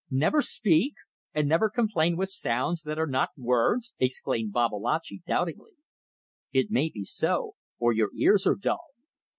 "Never speak! And never complain with sounds that are not words?" exclaimed Babalatchi, doubtingly. "It may be so or your ears are dull.